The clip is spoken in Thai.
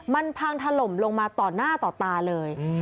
มันพังถล่มลงมาต่อหน้าต่อตาเลย